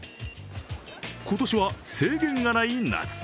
今年は制限がない夏。